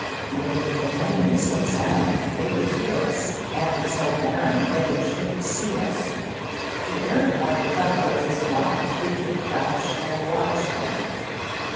Nay, the plain is so silent: they would hear us; and so barren: they would surely see us. Here, under cover of this rock, we can crouch and watch them....